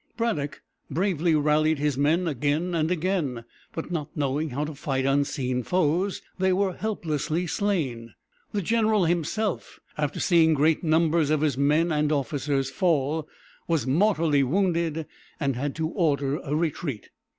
Braddock bravely rallied his men again and again; but not knowing how to fight unseen foes, they were helplessly slain. The general himself, after seeing great numbers of his men and officers fall, was mortally wounded, and had to order a retreat.